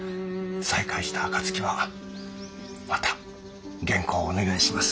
再開した暁はまた原稿をお願いします。